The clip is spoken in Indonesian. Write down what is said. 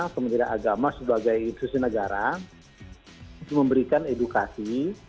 kementerian agama sebagai institusi negara memberikan edukasi